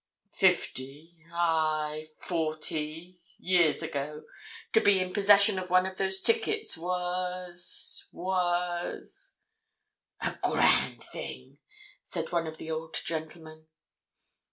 "Fifty—aye, forty!—years ago, to be in possession of one of those tickets was—was—" "A grand thing!" said one of the old gentlemen.